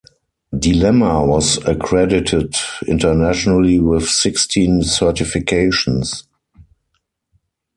"Dilemma" was accredited internationally with sixteen certifications.